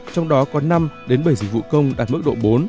trong đó có năm bảy dịch vụ công đạt mức độ bốn